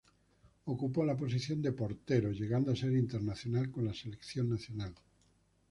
Ocupó la posición de portero, llegando a ser internacional con la selección nacional.